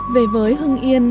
về với hương nghiên